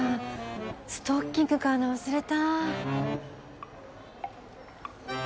ストッキング買うの忘れた。